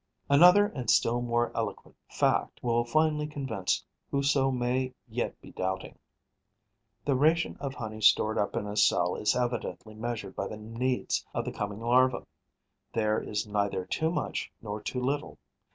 Another and still more eloquent fact will finally convince whoso may yet be doubting. The ration of honey stored up in a cell is evidently measured by the needs of the coming larva. There is neither too much nor too little.